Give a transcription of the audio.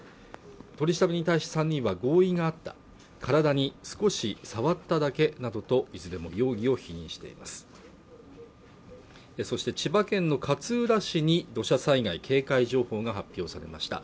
取り調べに対し３人は合意があった体に少し触っただけなどといずれも容疑を否認していますそして千葉県の勝浦市に土砂災害警戒情報が発表されました